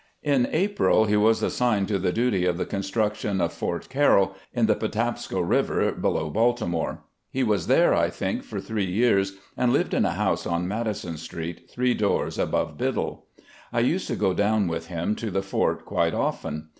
In April he was assigned to the duty of the construction of Fort Carroll, in the Patapsco River below Baltimore. He was there, I think, for three years, and lived in a house on Madison Street, three doors above Biddle. I used to go down with him to the Fort quite often.